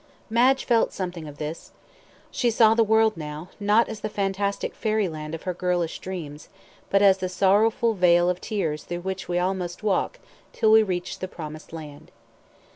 Madge felt something of all this. She saw the world now, not as the fantastic fairyland of her girlish dreams, but as the sorrowful vale of tears through which we must all walk till we reach the "Promised Land."